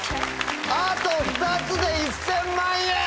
あと２つで１０００万円！